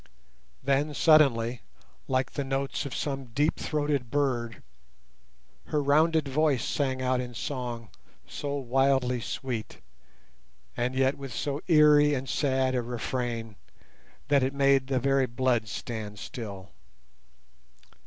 Then suddenly, like the notes of some deep throated bird, her rounded voice rang out in song so wildly sweet, and yet with so eerie and sad a refrain, that it made the very blood stand still.